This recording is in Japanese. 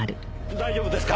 大丈夫ですか？